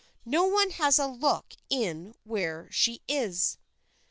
"No one has a look in where she is."